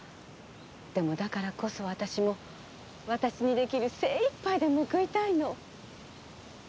でもだからこそ私も私にできる精一杯で報いたいの。